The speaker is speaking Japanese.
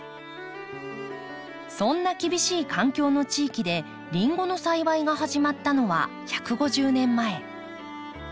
そんな厳しい環境の地域でリンゴの栽培が始まったのは１５０年前。